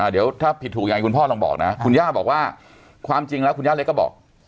เดี๋ยวถ้าผิดถูกยังไงคุณพ่อลองบอกนะคุณย่าบอกว่าความจริงแล้วคุณย่าเล็กก็บอก